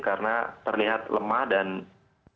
karena terlihat lemah dan terlalu banyak